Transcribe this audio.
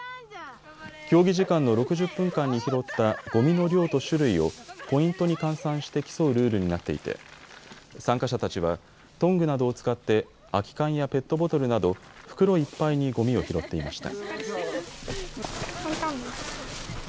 競技時間の６０分間に拾ったごみの量と種類をポイントに換算して競うルールになっていて参加者たちはトングなどを使って空き缶やペットボトルなど袋いっぱいにごみを拾っていました。